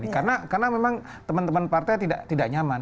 karena memang teman teman partai tidak nyaman